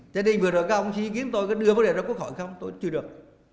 cho nên vừa rồi các ông suy nghĩ kiếm tôi có đưa vấn đề ra khỏi không tôi chưa được